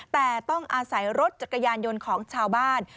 แต่ต้องอาศัยรถจักรยานยนต์ของชาวบ้าน